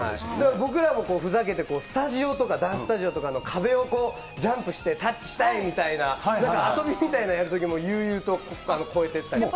僕らもふざけてスタジオとか、ダンススタジオとかの壁をジャンプしてタッチしたいみたいな遊びみたいなのやるときも、悠々と超えてったりとか。